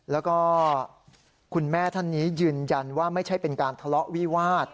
แล้วก็คุณแม่ท่านนี้ยืนยันว่าไม่ใช่เป็นการทะเลาะวิวาส